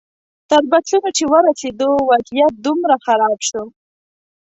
تر بسونو چې ورسېدو وضعیت دومره خراب شو.